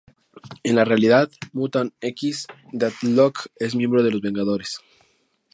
En la realidad "Mutant X", Deathlok es miembro de los Vengadores.